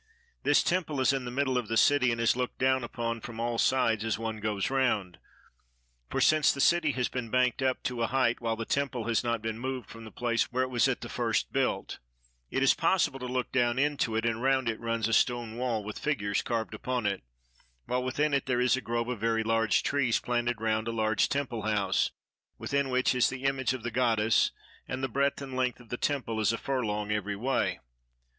This temple is in the middle of the city and is looked down upon from all sides as one goes round, for since the city has been banked up to a height, while the temple has not been moved from the place where it was at the first built, it is possible to look down into it: and round it runs a stone wall with figures carved upon it, while within it there is a grove of very large trees planted round a large temple house, within which is the image of the goddess: and the breadth and length of the temple is a furlong every way.